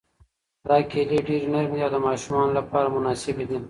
دا کیلې ډېرې نرمې دي او د ماشومانو لپاره مناسبې دي.